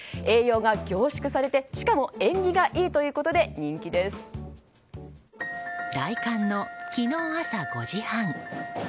栄養が凝縮されてしかも縁起がいいということで大寒の昨日朝５時半。